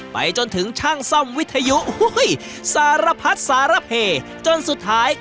ไปจนถึงช่างซ่อมวิทยุสารพัดสารเพจนสุดท้าย